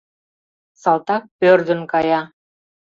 Салтак пӧрдын кая.